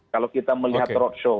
kalau kita melihat roadshow